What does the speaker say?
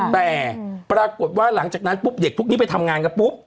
แต่ปรากฏว่าหลังจากนั้นปุ๊บเด็กพวกนี้ไปทำงานกันปุ๊บ